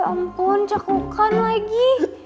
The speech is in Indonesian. ya ampun cakukan lagi